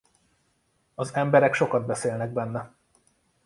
Az emberek sokat beszélnek benne.